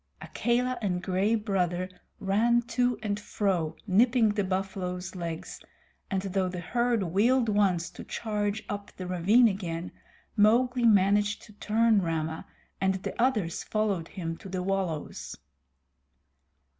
Akela and Gray Brother ran to and fro nipping the buffaloes' legs, and though the herd wheeled once to charge up the ravine again, Mowgli managed to turn Rama, and the others followed him to the wallows.